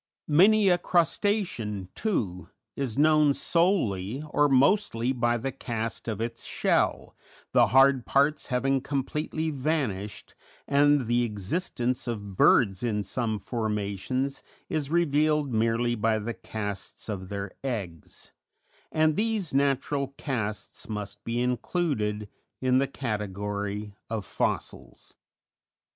Many a crustacean, too, is known solely or mostly by the cast of its shell, the hard parts having completely vanished, and the existence of birds in some formations is revealed merely by the casts of their eggs; and these natural casts must be included in the category of fossils.